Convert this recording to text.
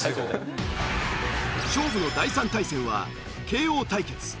勝負の第３対戦は慶應対決。